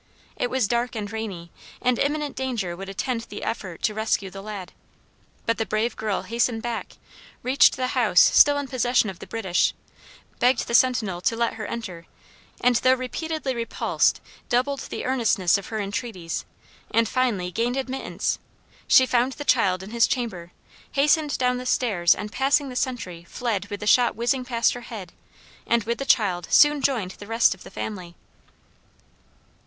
It was dark and rainy, and imminent danger would attend the effort to rescue the lad. But the brave girl hastened back; reached the house still in possession of the British; begged the sentinel to let her enter; and though repeatedly repulsed doubled the earnestness of her entreaties, and finally gained admittance. She found the child in his chamber, hastened down stairs and passing the sentry, fled with the shot whizzing past her head, and with the child soon joined the rest of the family.